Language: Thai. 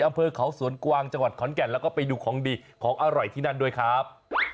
อำเภอเขาสวนกวางจังหวัดขอนแก่นแล้วก็ไปดูของดีของอร่อยที่นั่นด้วยครับ